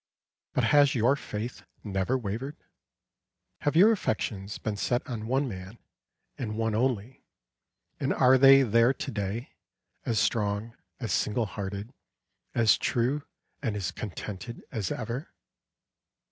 But has your faith never wavered? Have your affections been set on one man, and one only; and are they there to day, as strong, as single hearted, as true and as contented as ever?